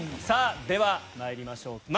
さぁではまいりましょう。